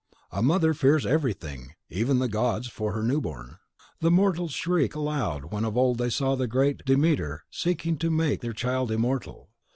A mother fears everything, even the gods, for her new born. The mortals shrieked aloud when of old they saw the great Demeter seeking to make their child immortal.